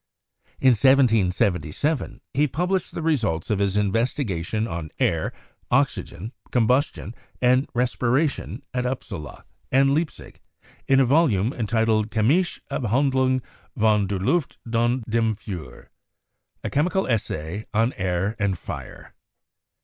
In 1777 he published the results of his investigation on air, oxygen, combustion and respiration at Upsala and Leipzig in a volume entitled 'Chemische Abhandlung von der Luft und dem Feuer' ('A Chemical Essay on Air and Fire').